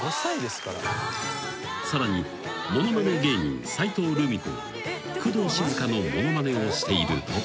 ［さらにものまね芸人斉藤ルミ子が工藤静香のものまねをしていると］